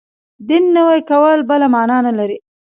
دین نوی کول بله معنا نه لري.